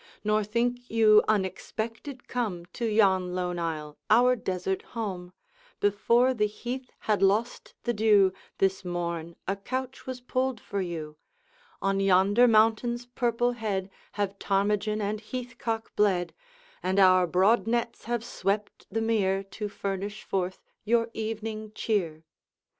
'Nor think you unexpected come To yon lone isle, our desert home; Before the heath had lost the dew, This morn, a couch was pulled for you; On yonder mountain's purple head Have ptarmigan and heath cock bled, And our broad nets have swept the mere, To furnish forth your evening cheer.'